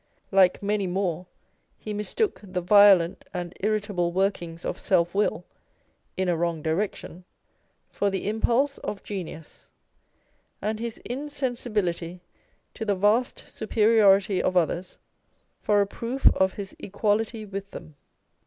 Like many more, he mistook the violent and irritable workings of selfwill (in a wrong direction) for the impulse of genius, and his insensibility to the vast superiority of others for a proof of his equality with them.